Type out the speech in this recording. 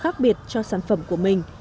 cho sản phẩm của mình